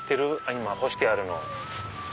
今干してあるの。